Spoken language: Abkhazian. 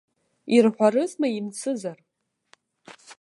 Ирҳәарызма имцызар?